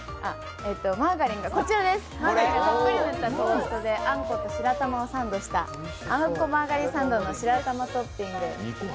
マーガリンがたっぷりのったサンドであんこと白玉をサンドしたあんこマーガリンサンドの白玉トッピング。